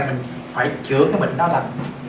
phải chữa bệnh đó lành